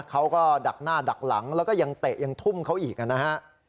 ดักหน้าดักหลังแล้วก็ยังเตะยังทุ่มเขาอีกนะฮะ